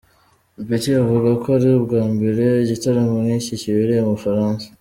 Betty avuga ko ari ubwa mbere igitaramo nk’iki kibereye mu Bufaransa.